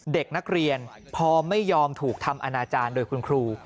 เด็กนักเรียนพอไม่ยอมถูกทำอนาจารย์โดยคุณครู